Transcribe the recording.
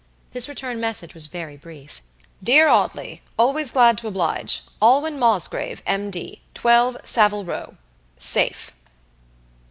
This return message was very brief. "DEAR AUDLEYAlways glad to oblige. Alwyn Mosgrave, M.D., 12 Saville Row. Safe."